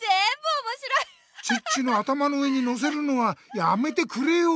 チッチの頭の上にのせるのはやめてくれよ。